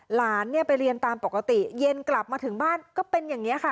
หลานเนี่ยไปเรียนตามปกติเย็นกลับมาถึงบ้านก็เป็นอย่างนี้ค่ะ